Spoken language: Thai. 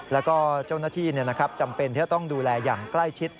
แล้วก็เจ้าหน้าที่จำเป็นที่จะต้องดูแลอย่างใกล้ชิด